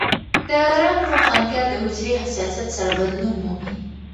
د رنګ روښانتیا د حجرې حساسیت سره بدلون مومي.